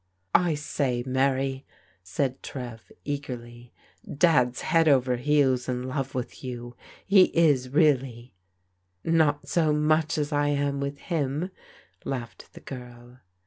*' I say, Mary," said Trev eagerly, " Dad's head over heels in love with you. He is really." " Not so much as I am with him," laughed the girl.